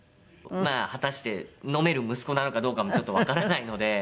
まあ果たして飲める息子なのかどうかもちょっとわからないので。